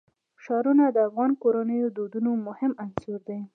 ښارونه د افغان کورنیو د دودونو مهم عنصر دی.